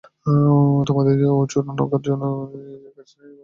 তোমাদের ও ছোট নৌকায় এদের দিয়ে কাজ নেই, বাজিতপুর পর্যন্ত আমার নৌকায় চলো।